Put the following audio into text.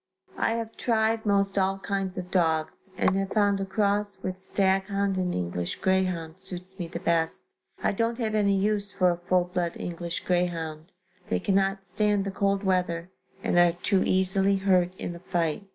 I have tried most all kinds of dogs and have found a cross with stag hound and English greyhound suits me the best. I don't have any use for a full blood English greyhound they cannot stand the cold weather and are too easily hurt in a fight.